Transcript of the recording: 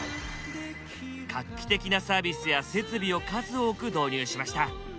画期的なサービスや設備を数多く導入しました。